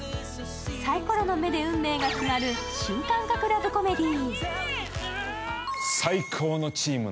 さいころの目で運命が決まる新感覚ラブコメディー。